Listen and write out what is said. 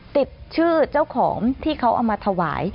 ติดชื่อเจ้าของที่เขาเอามาถวาย